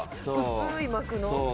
薄い膜の？